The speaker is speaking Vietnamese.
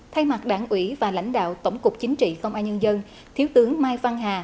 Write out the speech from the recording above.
thay mặt đảng ủy và lãnh đạo tổng cục chính trị công an nhân dân thiếu tướng mai văn hà